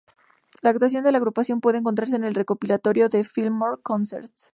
La actuación de la agrupación puede encontrarse en el recopilatorio "The Fillmore Concerts".